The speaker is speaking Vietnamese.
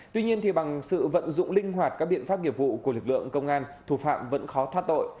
tuy nhiên bằng sự vận dụng linh hoạt các biện pháp nghiệp vụ của lực lượng công an thủ phạm vẫn khó thoát tội